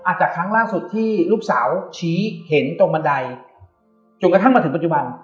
จากครั้งล่าสุดที่ลูกสาวชี้เห็นตรงบันไดจนกระทั่งมาถึงปัจจุบัน